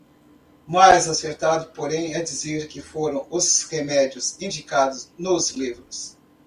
mais acertado, porém, é dizer que foram os remédios indicados nos livros.